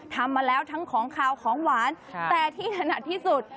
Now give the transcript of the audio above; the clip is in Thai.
ทำมาแล้วทั้งของขาวของหวานแต่ที่ถนัดที่สุด